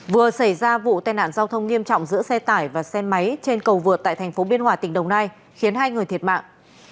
vừa xảy ra vụ tai nạn giao thông nghiêm trọng giữa xe tải và xe máy trên cầu vượt tại thành phố biên hòa tỉnh đồng nai khiến hai người thiệt mạng